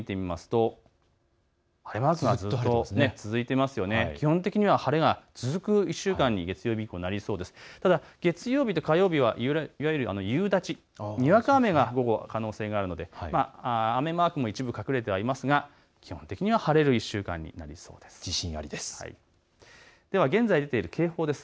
ただ月曜日、火曜日はいわゆる夕立、にわか雨が午後、可能性があるので雨マークも一部隠れてはいますが基本的には晴れる１週間になりそうです。